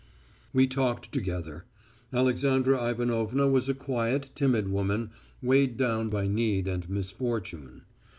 "We talked together. Alexandra Ivanovna was a quiet, timid woman, weighed down by need and misfortune.